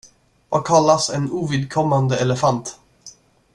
Vad kallas en ovidkommande elefant?